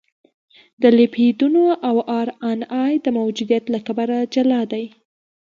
د لیپیدونو او ار ان اې د موجودیت له کبله جلا دي.